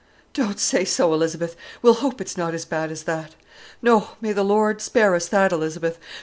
"Don't say so, Elizabeth! We'll hope it's not as bad as that; no, may the Lord spare us that, Elizabeth.